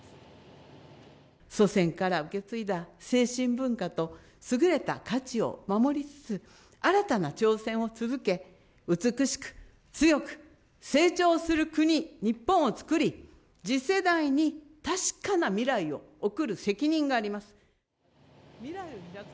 祖先から受け継いだ精神文化と、優れた価値を守りつつ、新たな挑戦を続け、美しく、強く、成長する国、日本をつくり、次世代に確かな未来を送る責任があります。